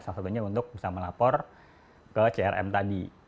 salah satunya untuk bisa melapor ke crm tadi